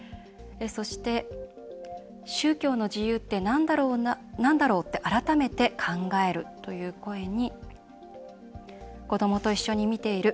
そして、宗教の自由ってなんだろうって改めて考えるという声に子どもと一緒に見ている。